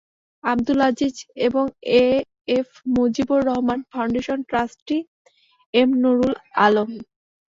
আব্দুল আজিজ এবং A F Mujibur Rahman ফাউন্ডেশনের trustee M Nurul Alam.